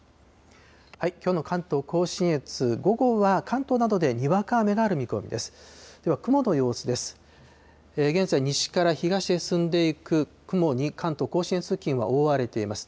きょうの関東甲信越、午後は関東などでにわか雨がある見込みです。